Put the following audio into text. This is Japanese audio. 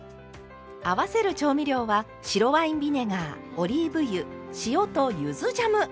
合わせる調味料は白ワインビネガーオリーブ油塩とゆずジャム！